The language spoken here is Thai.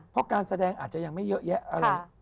เพราะการแสดงอาจจะยังไม่เยอะแยะอะไร